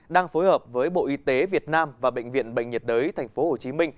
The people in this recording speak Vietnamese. đang phối hợp với bộ y tế việt nam và bệnh viện bệnh nhiệt đới tp hcm